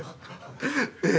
ええ。